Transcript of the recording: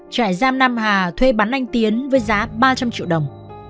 trại giam nam hà thuê bắn anh tiến với giá ba trăm linh triệu đồng